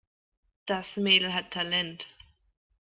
Das Mädel hat Talent.